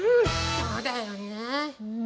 そうだよね。